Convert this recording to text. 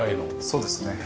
そうですね。